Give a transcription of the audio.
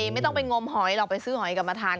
ไม่ต้องไปงมหอยหรอกไปซื้อหอยกลับมาทาน